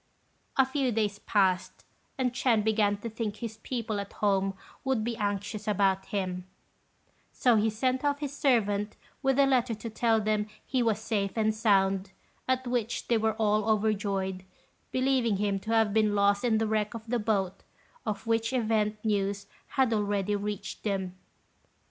A few days passed, and Ch'ên began to think his people at home would be anxious about him; so he sent off his servant with a letter to tell them he was safe and sound, at which they were all overjoyed, believing him to have been lost in the wreck of the boat, of which event news had already reached them.